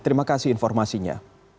terima kasih informasinya